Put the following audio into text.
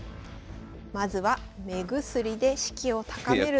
まずは目薬で士気を高めると。